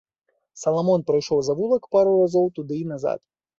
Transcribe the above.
Саламон прайшоў завулак пару разоў туды і назад.